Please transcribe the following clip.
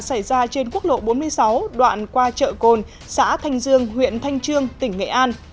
xe máy đã xảy ra trên quốc lộ bốn mươi sáu đoạn qua chợ cồn xã thanh dương huyện thanh trương tỉnh nghệ an